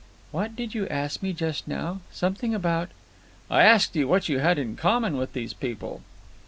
"What did you ask me just now? Something about——" "I asked you what you had in common with these people."